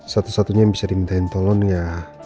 satu satunya yang bisa dimintain tolong ya